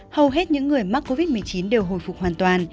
hầu hết những người mắc covid một mươi chín đều hồi phục hoàn toàn